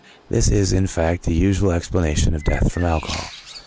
This is, in fact, the usual explanation of death from alcohol.